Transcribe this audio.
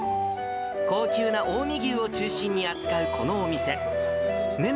高級な近江牛を中心に扱うこのお店。